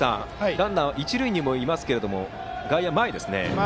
ランナーは一塁にもいますが外野、前ですね。